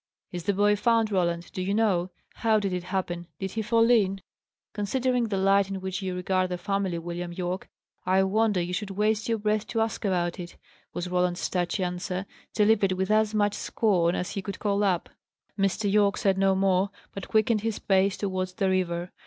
"Is the boy found, Roland, do you know? How did it happen? Did he fall in?" "Considering the light in which you regard the family, William Yorke, I wonder you should waste your breath to ask about it," was Roland's touchy answer, delivered with as much scorn as he could call up. Mr. Yorke said no more, but quickened his pace towards the river.